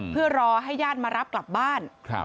เพื่อรอให้ญาติมารับกลับบ้าน